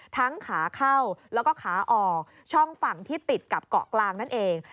ขาเข้าแล้วก็ขาออกช่องฝั่งที่ติดกับเกาะกลางนั่นเอง